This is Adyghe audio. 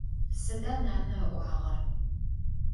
Sıda nane ı'uağer?